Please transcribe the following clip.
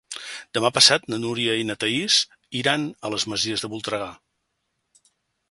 Demà passat na Núria i na Thaís iran a les Masies de Voltregà.